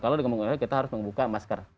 kalau dengan menggunakan kita harus membuka masker